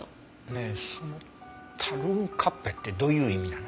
ねえそのタルンカッペってどういう意味なの？